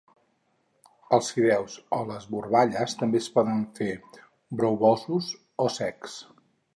Els fideus o les burballes també es poden fer brouosos o secs